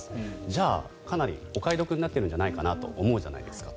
じゃあかなりお買い得になってるんじゃないかなと思うじゃないですか。